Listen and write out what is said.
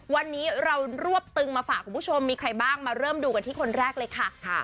วันนี้เรารวบตึงมาฝากคุณผู้ชมมีใครบ้างมาเริ่มดูกันที่คนแรกเลยค่ะ